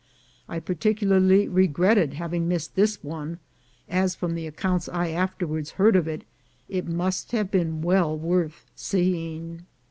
I particularly regretted having missed this one, as, from the accounts I afterwards heard of it, it must have been well worth seeing.